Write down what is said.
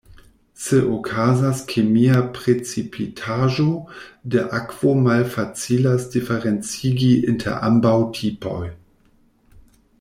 Se okazas kemia precipitaĵo de akvo malfacilas diferencigi inter ambaŭ tipoj.